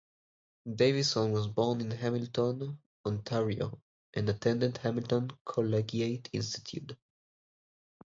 Davison was born in Hamilton, Ontario, and attended Hamilton Collegiate Institute.